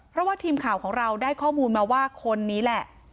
เพราะว่าทีมข่าวของเราได้ข้อมูลมาว่าคนนี้แหละ